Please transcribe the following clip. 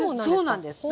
そうなんです。